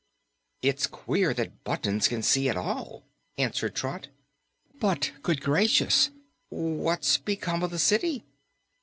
"It's queer that buttons can see at all," answered Trot. "But good gracious! What's become of the city?"